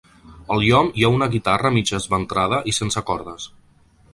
Al llom hi ha una guitarra mig esventrada i sense cordes.